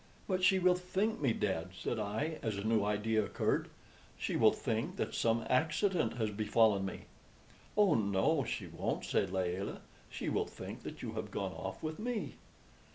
"But she will think me dead," said I, as a new idea occurred. "She will think that some accident has befallen me." "Oh no, she won't," said Layelah; "she will think that you have gone off with me."